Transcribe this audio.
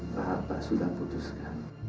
bapak sudah putuskan